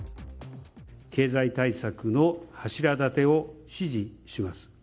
経済対策の柱立てを指示します。